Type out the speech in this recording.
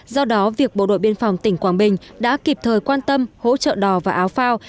do đó việc bộ đội biên phòng tỉnh quảng bình đã kịp thời quan tâm hỗ trợ đò và áo phao